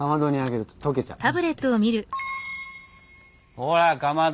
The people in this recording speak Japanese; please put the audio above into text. ほらかまど！